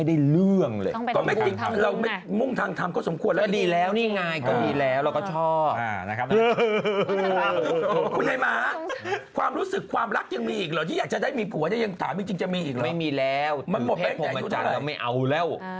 อ๋อทะนูมังกรคู่กันเลยเหรอ